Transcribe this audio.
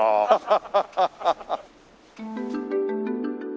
ハハハハハ。